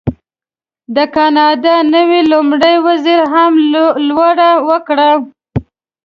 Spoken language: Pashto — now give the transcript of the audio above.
د کاناډا نوي لومړي وزیر هم لوړه وکړه.